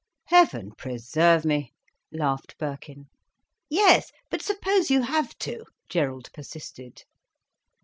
"Heaven preserve me," laughed Birkin. "Yes, but suppose you have to?" Gerald persisted.